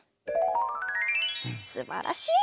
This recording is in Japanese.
すばらしい！